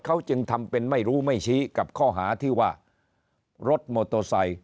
เขาจึงทำเป็นไม่รู้ไม่ชี้กับข้อหาที่ว่ารถมอเตอร์ไซค